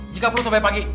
jika perlu sampai pagi